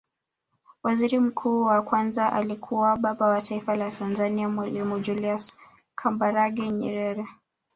Waziri Mkuu wa Kwanza alikuwa Baba wa Taifa la Tanzania mwalimu Julius Kambarage Nyerere